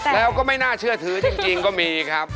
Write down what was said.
แล้วก็ไม่น่าเชื่อถือจริงก็มีครับ